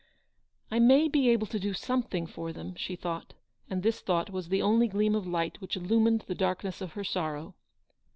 " I may be able to do something for them/' she thought ; and this thought was the only gleam of light which illumined the darkness of her sorrow.